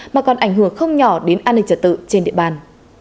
mà còn ảnh hưởng không nhỏ đến an ninh trật tự trên địa bàn